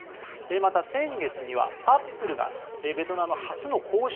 また先月にはアップルがベトナム初の公式